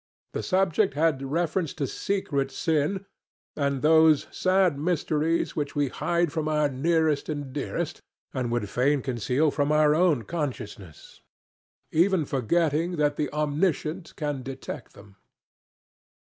The subject had reference to secret sin and those sad mysteries which we hide from our nearest and dearest, and would fain conceal from our own consciousness, even forgetting that the Omniscient can detect them.